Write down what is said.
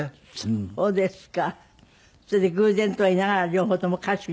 あっそうですか。